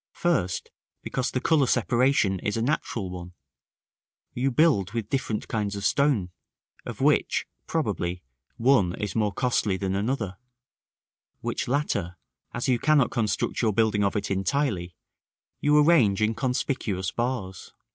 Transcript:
First, because the color separation is a natural one. You build with different kinds of stone, of which, probably, one is more costly than another; which latter, as you cannot construct your building of it entirely, you arrange in conspicuous bars.